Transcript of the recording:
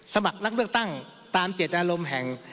สมัครรับเลือกตั้งตามเจตนารมณ์แห่ง